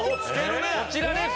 こちらです。